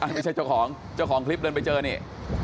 อันนี้ไม่ใช่เจ้าของเจ้าของคลิปเดินไปเจอนี่